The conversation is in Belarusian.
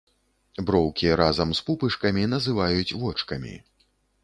Броўкі разам з пупышкамі называюць вочкамі.